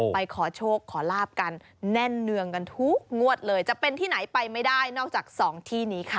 ขอโชคขอลาบกันแน่นเนืองกันทุกงวดเลยจะเป็นที่ไหนไปไม่ได้นอกจากสองที่นี้ค่ะ